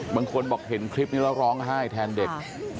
บางคนบอกเห็นคลิปนี้แล้วร้องไห้แทนเด็ก